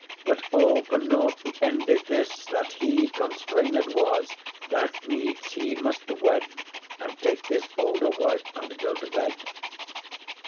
But all for nought; the end is this, that he Constrained was, that needs he muste wed, And take this olde wife, and go to bed.